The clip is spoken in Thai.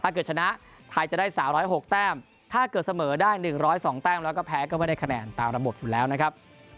ถ้าเกิดชนะไทยจะได้สามร้อยหกแต้มถ้าเกิดเสมอได้หนึ่งร้อยสองแต้มแล้วก็แพ้ก็ไม่ได้คะแนนตามระบบอยู่แล้วนะครับ